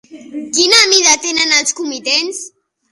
Quina mida tenen els comitents?